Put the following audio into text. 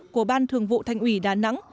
của ban thường vụ thành ủy đà nẵng